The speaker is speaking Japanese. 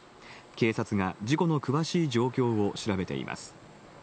警察が、事故の詳しい状況を調べています。